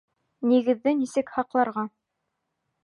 Нигеҙҙе нисек һаҡларға?